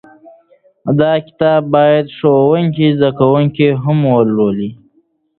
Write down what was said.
دا کتاب باید د ښوونځي زده کوونکي هم ولولي.